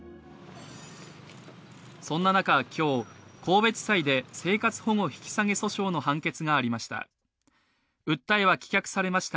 そんな中、今日、神戸地裁で生活保護引き下げ訴訟の判決がありました。